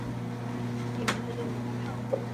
鼎文是多么地荒谬啊！